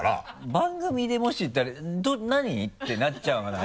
番組でもし言ったら何？ってなっちゃわない？